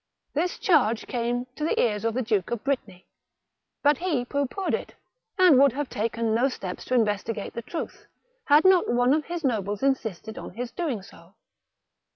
This charge came to the ears of the Duke of Brittany, but he pooh poohed it, and would have taken no steps to investigate the truth, had not one of his nobles insisted on his doing so.